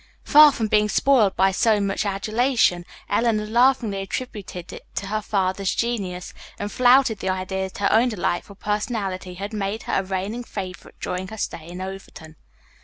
Far from being spoiled by so much adulation, Eleanor laughingly attributed it to her father's genius, and flouted the idea that her own delightful personality had made her a reigning favorite during her stay in Overton.